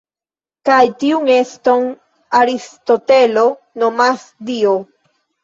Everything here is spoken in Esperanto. Kaj tiun eston Aristotelo nomas Dio.